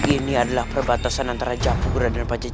ini adalah perbatasan antara japura dan pajajar